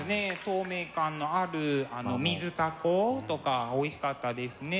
透明感のあるミズタコとかおいしかったですね。